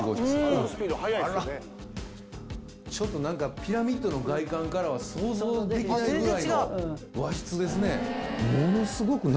ピラミッドの外観からは想像できないぐらいの和室ですね。